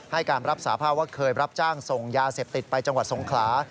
ให้การรับสาภาพว่าเคยรับจ้างส่งยาเสพติดไปจังหวัดสงขลา